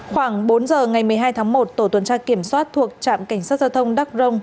khoảng bốn giờ ngày một mươi hai tháng một tổ tuần tra kiểm soát thuộc trạm cảnh sát giao thông đắc rông